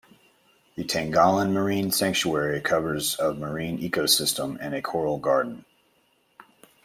The Tangalan Marine Sanctuary covers of marine ecosystem and a coral garden.